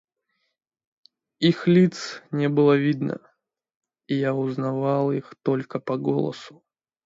Их лиц не было видно, и я узнавал их только по голосу.